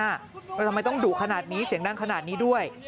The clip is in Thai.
แล้วทำไมต้องดุขนาดนี้เสียงดังขนาดนี้ด้วย